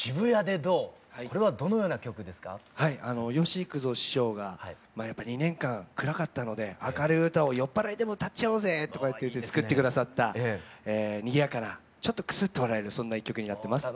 吉幾三師匠がまあやっぱ２年間暗かったので明るい歌を酔っ払いでも歌っちゃおうぜとかっていって作ってくださったにぎやかなちょっとクスッて笑えるそんな一曲になってます。